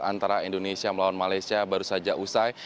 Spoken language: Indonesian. antara indonesia melawan malaysia baru saja usai